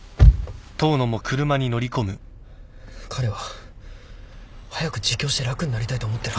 彼は早く自供して楽になりたいと思ってるはずです。